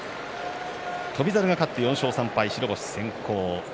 翔猿が勝って４勝３敗白星先行。